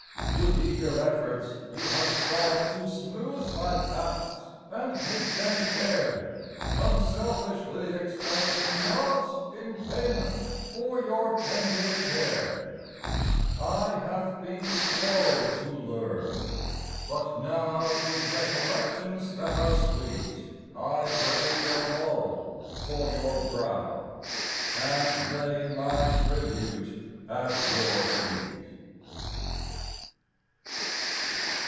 % W ITH eager efforts you Have sougkt To smootk my paths and make them fair, Unselfiskly expect 5 mg naugkt In payment for your tender care. I have been slow to learn, but now, With recollections ■ that are sweet, I braid a laurel for your brow And lay my tribute at your eet.